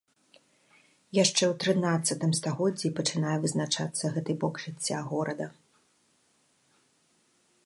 Яшчэ ў трынаццатым стагоддзі пачынае вызначацца гэты бок жыцця горада.